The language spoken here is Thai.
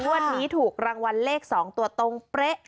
วันนี้ถูกรางวัลเลข๒ตัวตรงเป๊ะ